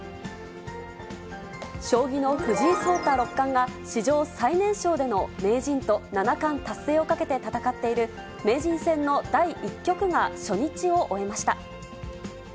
将棋の藤井聡太六冠が、史上最年少での名人と七冠達成をかけて戦っている、名人戦の第１局が初日を終えました。